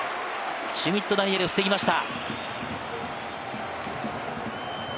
シュミット・ダニエル、防ぎました。